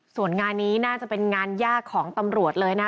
ส่วนงานนี้น่าจะเป็นงานยากของตำรวจเลยนะ